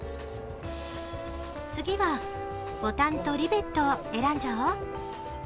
次はボタンとリベットを選んじゃおう。